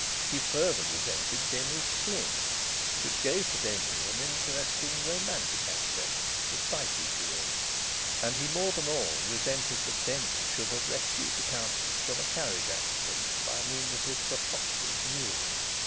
He further resented Denry's sling, which gave to Denry an interesting romantic aspect (despite his beard), and he more than all resented that Denry should have rescued the Countess from a carriage accident by means of his preposterous mule.